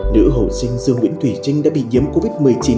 nữ hậu sinh dương nguyễn thủy trinh đã bị nhiễm covid một mươi chín